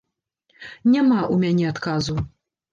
Няма ў мяне адказу.